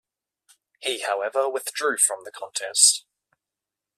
He, however, withdrew from the contest.